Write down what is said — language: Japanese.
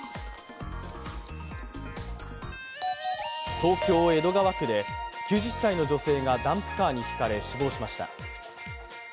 東京・江戸川区で９０歳の女性がダンプカーにひかれ死亡しました。